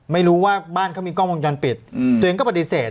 ไม่รู้ว่าบ้านเขามีกล้องวงจรปิดตัวเองก็ปฏิเสธ